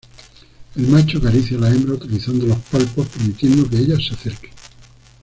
El macho acaricia a la hembra utilizando los palpos permitiendo que ella se acerque.